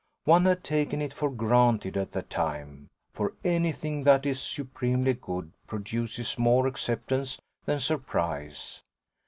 One had taken it for granted at the time, for anything that is supremely good produces more acceptance than surprise.